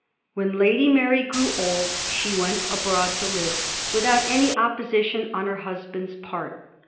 When Lady Mary grew old she went away abroad to live, without any oppo sition on her husband's part.